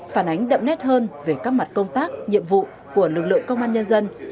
phản ánh đậm nét hơn về các mặt công tác nhiệm vụ của lực lượng công an nhân dân